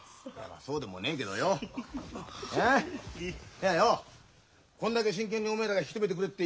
いやようこんだけ真剣におめえらが引き止めてくれっていう以上よ